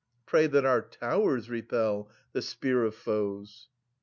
Pray that our towers repel the spear of foes.